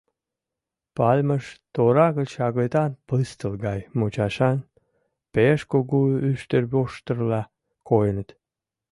Пальмышт тора гыч агытан пыстыл гай мучашан, пеш кугу ӱштервоштырла койыныт.